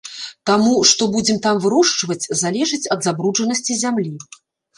Таму, што будзем там вырошчваць, залежыць ад забруджанасці зямлі.